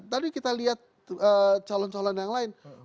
tadi kita lihat calon calon yang lain